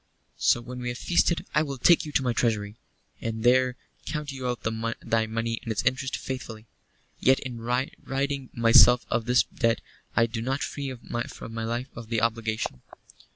"So when we have feasted I will take you to my treasury, and there count you out thy money and its interest faithfully. Yet in ridding myself of this debt I do not free my life of the obligation."